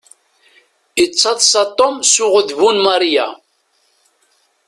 Yettaḍsa Tom s uɣdebbu n Maria.